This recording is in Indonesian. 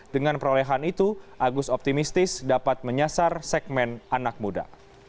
dengan perolehan itu agus optimistis dapat menyasar segmen anak muda